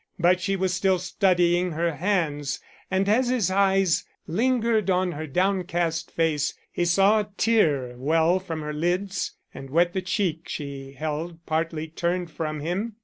But she was still studying her hands, and as his eyes lingered on her downcast face he saw a tear well from her lids and wet the cheek she held partly turned from him.